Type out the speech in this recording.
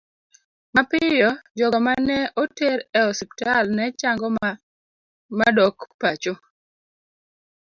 Mapiyo, jogo ma ne oter e osiptal ne chango ma dok pacho.